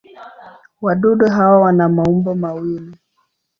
Wadudu hawa wana maumbo mawili.